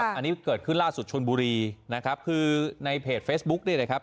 อันนี้เกิดขึ้นล่าสุดชนบุรีนะครับคือในเพจเฟซบุ๊กเนี่ยนะครับ